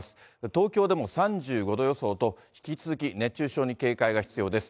東京でも３５度予想と、引き続き熱中症に警戒が必要です。